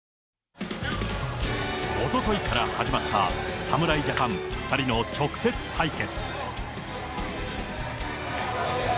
おとといから始まった、侍ジャパン２人の直接対決。